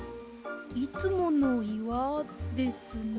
いつものいわですね。